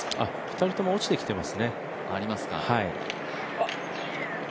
２人とも落ちてきてますね。